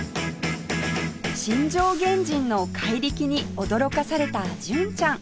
新城原人の怪力に驚かされた純ちゃん